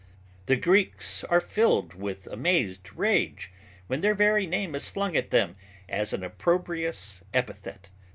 The Greeks are filled with amazed rage when their very name is flung at them as an opprobrious epithet.